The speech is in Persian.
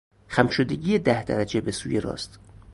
خم شدگی ده درجه به سوی راست